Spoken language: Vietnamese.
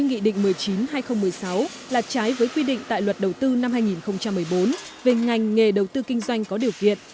nghị định một mươi chín hai nghìn một mươi sáu là trái với quy định tại luật đầu tư năm hai nghìn một mươi bốn về ngành nghề đầu tư kinh doanh có điều kiện